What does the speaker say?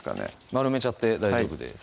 丸めちゃって大丈夫です